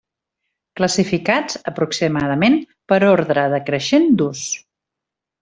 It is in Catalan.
Classificats, aproximadament, per ordre decreixent d'ús.